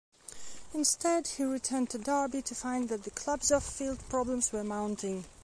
Instead he returned to Derby to find that the club's off-field problems were mounting.